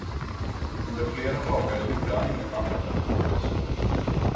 Under flera dagar gjorde han ingenting annat än åt och sov.